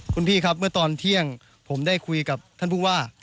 คุณพี่ครับเมื่อตอนเที่ยงผมได้คุยกับท่านผู้ว่า